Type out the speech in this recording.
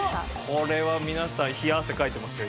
これは皆さん冷や汗かいてますよ